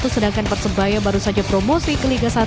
sedangkan persebaya baru saja promosi ke liga satu